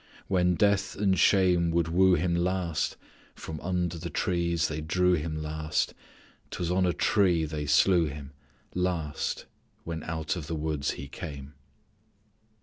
When death and shame would woo Him last From under the trees they drew Him last 'Twas on a tree they slew Him last When out of the woods He came."